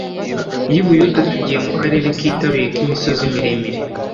y i buyuda tugiye mu karere kitaruye k imisozi miremire